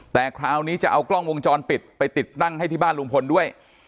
แต่คราวนี้จะเอากล้องวงจรปิดไปติดตั้งให้ที่บ้านลุงพลด้วย